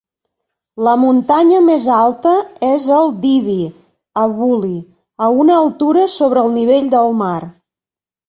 La muntanya més alta és el Didi Abuli, a una altura sobre el nivell del mar.